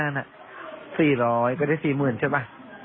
๔๒๕นี่๔๐๐ก็ได้๔๐๐๐๐ใช่ปะ